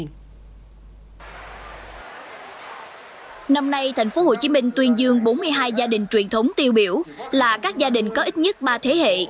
năm nay tp hcm tuyên dương bốn mươi hai gia đình truyền thống tiêu biểu là các gia đình có ít nhất ba thế hệ